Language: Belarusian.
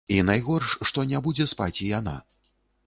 І найгорш, што не будзе спаць і яна.